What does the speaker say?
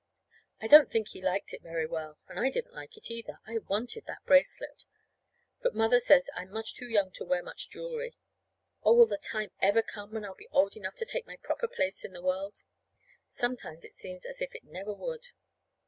I don't think he liked it very well, and I didn't like it, either. I wanted that bracelet. But Mother says I'm much too young to wear much jewelry. Oh, will the time ever come when I'll be old enough to take my proper place in the world? Sometimes it seems as if it never would!